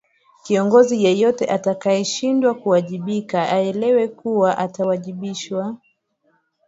Kiongozi yeyote atakayeshindwa kuwajibika aelewe kuwa atawajibishwa